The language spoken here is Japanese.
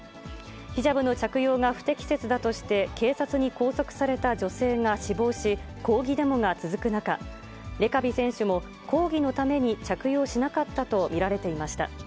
ヒジャブの着用が不適切だとして警察に拘束された女性が死亡し、抗議デモが続く中、レカビ選手も抗議のために着用しなかったと見られていました。